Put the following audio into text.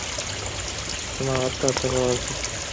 তোমার আত্মহত্যা করা উচিত।